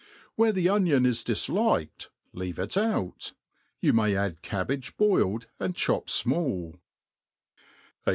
Where the onion is dilliked, leave it out. Yoit may add cabbage boiled and chopped ftnall.